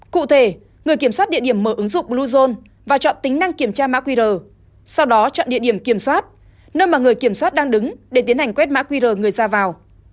cụ thể người kiểm soát địa điểm mở ứng dụng bluezone và chọn tính năng kiểm tra mã qr sau đó chọn địa điểm kiểm soát nơi mà người kiểm soát đang đứng để tiến hành quét mã qr người ra vào